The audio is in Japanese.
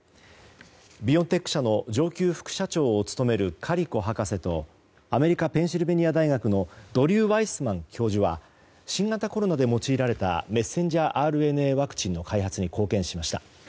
ビオンテック社の上級副社長を務めるカリコ博士とアメリカ・ペンシルベニア大学のドリュー・ワイスマン教授は新型コロナで用いられてたメッセンジャーＲＮＡワクチンの開発に貢献しました。